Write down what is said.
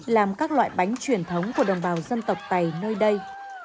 làm các loại bánh truyền thống của đồng bào dân tộc tày nơi đây